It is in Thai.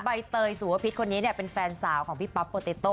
ใบเตยสูวพิษคนนี้เป็นแฟนสาวของพี่ปั๊บโปแลโต